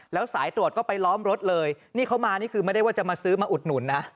แล้วสายตรวจก็ไปล้อมรถเลยนี่เขามานี่คือไม่ได้ว่าจะมาซื้อมาอุดหนุนนะ